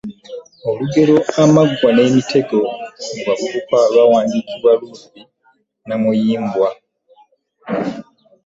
Olugero Amaggwa n’emitego mu bavubuka lwawandiikibwa Ruth Namuyimbwa Kagoggoza